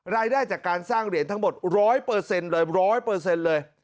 รายได้จากการสร้างเหรียญทั้งหมด๑๐๐เลย๑๐๐เลย